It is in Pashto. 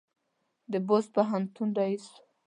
د بُست پوهنتون رییس و.